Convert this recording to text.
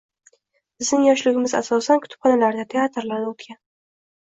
Bizning yoshligimiz asosan kutubxonalarda, teatrlarda o‘tgan.